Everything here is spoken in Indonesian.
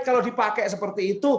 kalau dipakai seperti itu